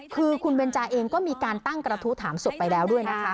คือคุณเบนจาเองก็มีการตั้งกระทู้ถามศพไปแล้วด้วยนะคะ